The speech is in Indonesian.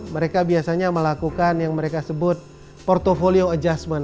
mereka biasanya melakukan yang mereka sebut portfolio adjustment